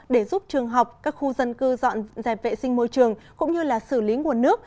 để giúp trường học các khu dân cư dọn dẹp vệ sinh môi trường cũng như là xử lý nguồn nước